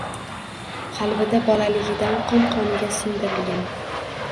Qalbida bolaligidan qon-qoniga singdirilgan